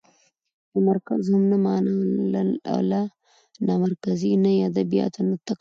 يو مرکز هم نه مانه او له نامرکزۍ نه يې ادبياتو ته کتل؛